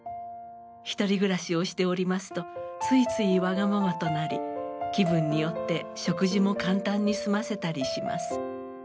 一人暮らしをしておりますとついついわがままとなり気分によって食事も簡単に済ませたりします。